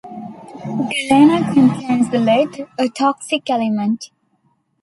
Galena contains lead, a toxic element.